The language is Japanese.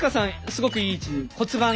すごくいい位置に。